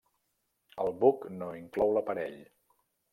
El buc no inclou l'aparell.